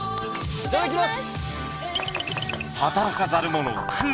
いただきます！